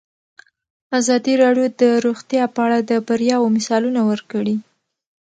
ازادي راډیو د روغتیا په اړه د بریاوو مثالونه ورکړي.